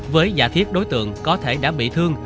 với giả thiết đối tượng có thể đã bị thương